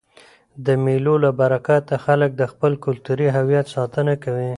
د مېلو له برکته خلک د خپل کلتوري هویت ساتنه کوي.